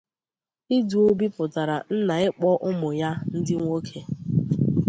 idu obì pụtara nna ịkpọ ụmụ ya ndị nwoke